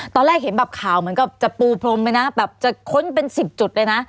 ตอนแรกเห็นแบบข่าวเหมือนกับจะปูพรมไปนะแบบจะค้นเป็น๑๐จุดเลยนะ